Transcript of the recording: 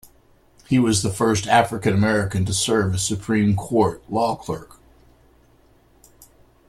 He was the first African American to serve as a Supreme Court law clerk.